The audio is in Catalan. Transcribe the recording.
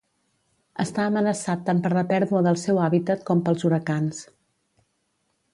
Està amenaçat tant per la pèrdua del seu hàbitat com pels huracans.